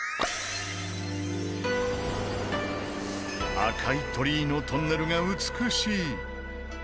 赤い鳥居のトンネルが美しい。